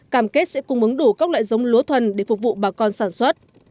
cam kết sẽ cung ứng đủ các loại giống lúa thuần để phục vụ bà con sản xuất